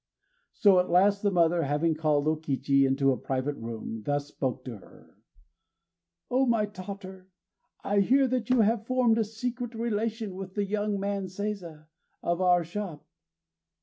_ So at last, the mother, having called O Kichi into a private room, thus spoke to her: "O my daughter, I hear that you have formed a secret relation with the young man Seiza, of our shop.